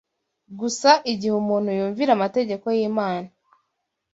gusa igihe umuntu yumvira amategeko y’Imana